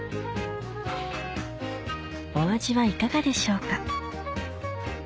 お味はいかがでしょうか？